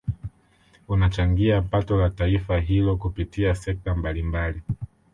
Unachangia pato la taifa hilo kupitia sekta mbalimbali